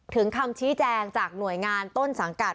คำชี้แจงจากหน่วยงานต้นสังกัด